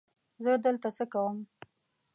زه دلته څه کوم؟